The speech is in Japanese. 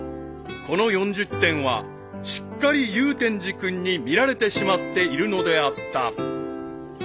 ［この４０点はしっかり祐天寺君に見られてしまっているのであった］